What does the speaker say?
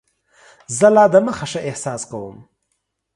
زه لا دمخه ښه احساس کوم.